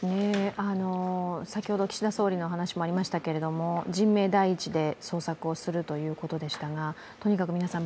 先ほど岸田総理の話もありましたけれども、人命第一で捜索をするということでしたがとにかく皆さん